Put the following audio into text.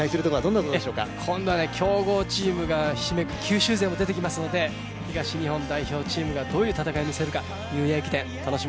今度は強豪チームがひしめく九州勢も出てきますので東日本代表チームがどういう戦いを見せるか、ニューイヤー駅伝楽し